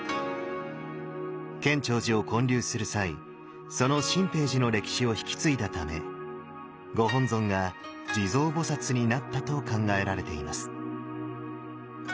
建長寺を建立する際その心平寺の歴史を引き継いだためご本尊が地蔵菩になったと考えられています。